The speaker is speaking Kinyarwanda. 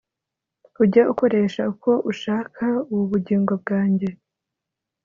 Ujye ukoresha uko ushaka ubu bugingo bwanjye